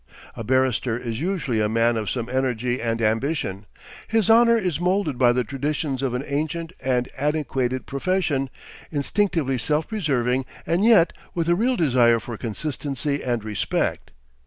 A barrister is usually a man of some energy and ambition, his honour is moulded by the traditions of an ancient and antiquated profession, instinctively self preserving and yet with a real desire for consistency and respect.